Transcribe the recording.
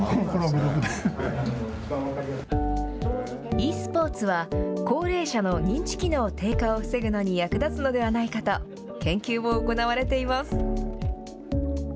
ｅスポーツは、高齢者の認知機能低下を防ぐのに役立つのではないかと、研究も行われています。